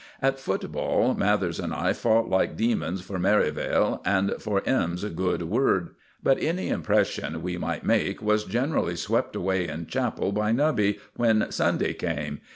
At football Mathers and I fought like demons for Merivale and for M.'s good word; but any impression we might make was generally swept away in chapel by Nubby when Sunday came.